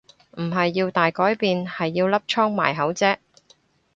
唔係要大改變係要粒瘡埋口啫